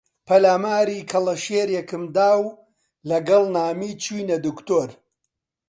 پەلاماری کەڵەشێرێکم دا و لەگەڵ نامی چووینە دکتۆر